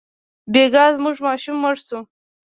بېګا زموږ ماشوم مړ شو.